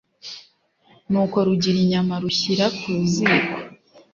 nuko rugira inyama rushyira ku ziko,